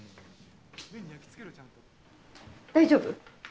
大丈夫？